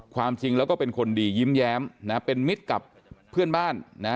ความจริงแล้วก็เป็นคนดียิ้มแย้มนะเป็นมิตรกับเพื่อนบ้านนะ